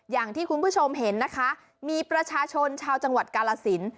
อย่างที่คุณผู้ชมเห็นนะคะมีประชาชนชาวจังหวัดกาลสิน